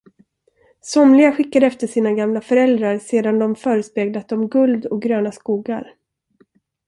Somliga skickade efter sina gamla föräldrar sedan de förespeglat dem guld och gröna skogar.